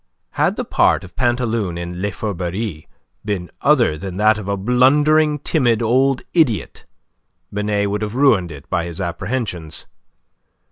Had the part of Pantaloon in "Les Fourberies" been other than that of a blundering, timid old idiot, Binet would have ruined it by his apprehensions.